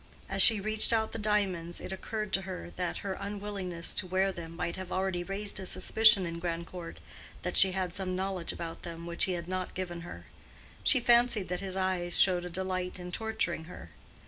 As she reached out the diamonds, it occurred to her that her unwillingness to wear them might have already raised a suspicion in Grandcourt that she had some knowledge about them which he had not given her. She fancied that his eyes showed a delight in torturing her.